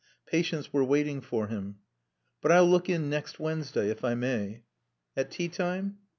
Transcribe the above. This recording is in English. Patients were waiting for him. "But I'll look in next Wednesday, if I may." "At teatime?"